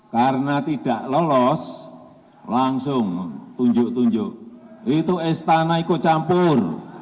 karena tidak lolos langsung tunjuk tunjuk itu istana ikut campur